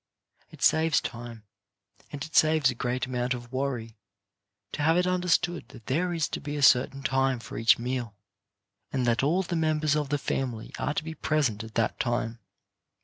It saves time, and it saves a great amount of worry, to have it understood that there is to be a certain time for each meal, and that all the members of the family are to be present at that time.